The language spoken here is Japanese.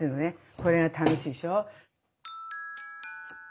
これが楽しいでしょ。